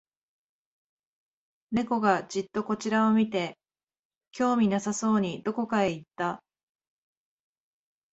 猫がじっとこちらを見て、興味なさそうにどこかへ行った